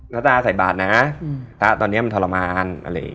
นาตาใส่บาทนะตอนนี้มันทรมาน